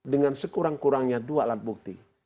dengan sekurang kurangnya dua alat bukti